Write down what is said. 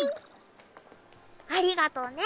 ありがとうね